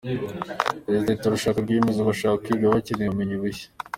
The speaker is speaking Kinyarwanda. Yagize ati “Turashaka ba rwiyemezamirimo bashaka kwiga bakeneye ubumenyi bushya.